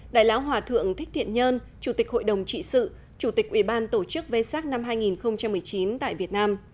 đại lão hòa thượng thích thiện nhân chủ tịch hội đồng trị sự chủ tịch ủy ban tổ chức v sac năm hai nghìn một mươi chín tại việt nam